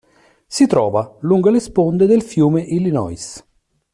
Si trova lungo le sponde del fiume Illinois.